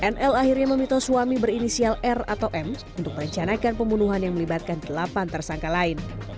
nl akhirnya meminta suami berinisial r atau m untuk merencanakan pembunuhan yang melibatkan delapan tersangka lain